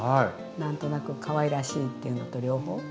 何となくかわいらしいっていうのと両方。